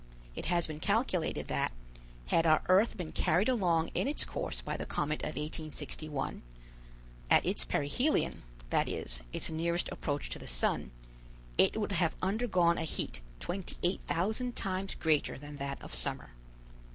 It has been calculated that, had our earth been carried along in its course by the comet of 1861, at its perihelion, that is, its nearest approach to the sun, it would have undergone a heat 28,000 times greater than that of summer.